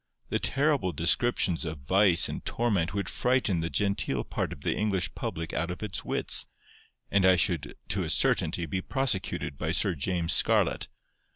The terrible descriptions of vice and torment would frighten the genteel part of the English public out of its wits, and I should to a certainty be prosecuted by Sir James Scarlett.